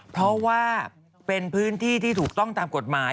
เพราะว่าเป็นพื้นที่ที่ถูกต้องตามกฎหมาย